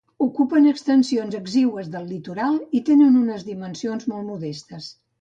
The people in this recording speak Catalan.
Ocupen extensions exigües del litoral i tenen unes dimensions molt modestes.